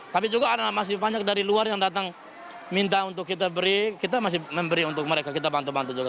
tapi juga ada masih banyak dari luar yang datang minta untuk kita beri kita masih memberi untuk mereka kita bantu bantu juga